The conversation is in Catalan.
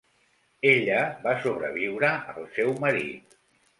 Ella va sobreviure al seu marit.